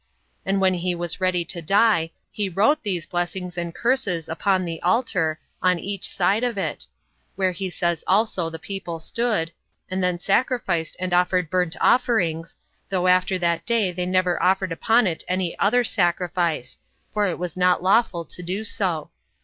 And when he was ready to die, he wrote these blessings and curses upon the altar, on each side of it; where he says also the people stood, and then sacrificed and offered burnt offerings, though after that day they never offered upon it any other sacrifice, for it was not lawful so to do.